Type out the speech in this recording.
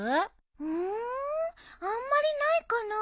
うーんあんまりないかな。